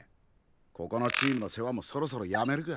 ここのチームの世話もそろそろやめるか。